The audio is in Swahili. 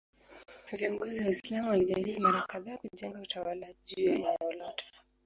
Viongozi Waislamu walijaribu mara kadhaa kujenga utawala juu ya eneo lote.